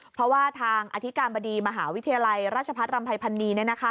เพราะว่าทางอธิการบดีมหาวิทยาลัยราชพัฒนรำภัยพันนี